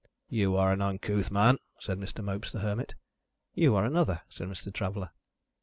"You are an uncouth man," said Mr. Mopes the Hermit. "You are another," said Mr. Traveller.